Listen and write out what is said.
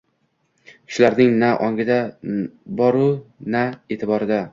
– kishilarning na ongida bor u, na e’tiborida.